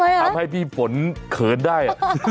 ทำไมอะทำให้พี่ฝนเขินได้